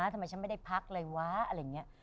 ทำไมฉันไม่ได้พักเลยวะอะไรอย่างนี้